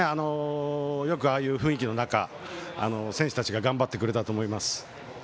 よくああいう雰囲気の中選手たちが頑張ってくれたと思います。